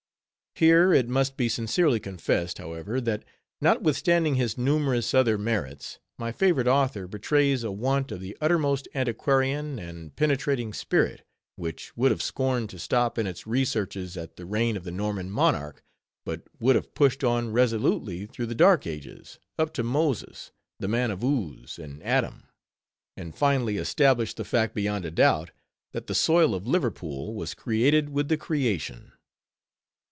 Here, it must be sincerely confessed, however, that notwithstanding his numerous other merits, my favorite author betrays a want of the uttermost antiquarian and penetrating spirit, which would have scorned to stop in its researches at the reign of the Norman monarch, but would have pushed on resolutely through the dark ages, up to Moses, the man of Uz, and Adam; and finally established the fact beyond a doubt, that the soil of Liverpool was created with the creation.